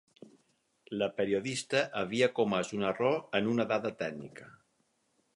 La periodista havia comès un error en una dada tècnica.